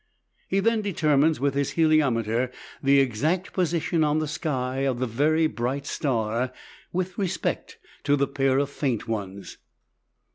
He then determines with his heliometer the exact position on the sky of the bright star with respect to the pair of faint ones.